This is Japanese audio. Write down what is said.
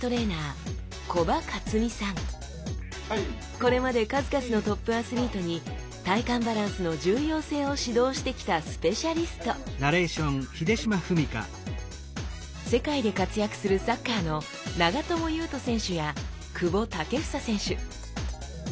これまで数々のトップアスリートに体幹バランスの重要性を指導してきたスペシャリスト世界で活躍するサッカーの長友佑都選手や久保建英選手